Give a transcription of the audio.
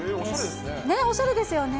おしゃれですね。